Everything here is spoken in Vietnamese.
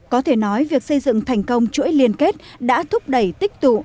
có thể nói việc xây dựng thành công chuỗi liên kết đã thúc đẩy tích tụ